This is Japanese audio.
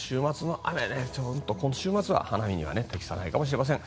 週末は花見には適さないかもしれません。